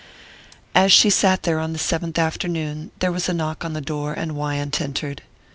As she sat there on the seventh afternoon there was a knock on the door and Wyant entered.